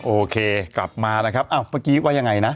โอเคกลับมานะครับอ้าวเมื่อกี้ว่ายังไงนะ